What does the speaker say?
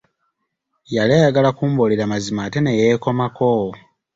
Yali ayagala kumbuulira mazima ate ne yeekomako.